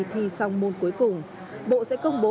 thi xong môn cuối cùng bộ sẽ công bố